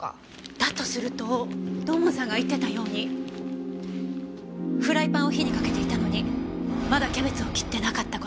だとすると土門さんが言ってたようにフライパンを火にかけていたのにまだキャベツを切ってなかった事